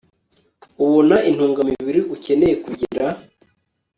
ubona intungamubiri ukeneye kugira